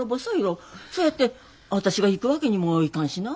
そやって私が行くわけにもいかんしな。